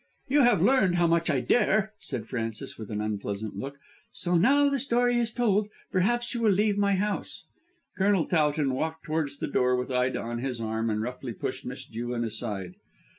"You have learned how much I dare," said Frances with an unpleasant look. "So, now the story is told, perhaps you will leave my house." Colonel Towton walked towards the door with Ida on his arm and roughly pushed Miss Jewin aside.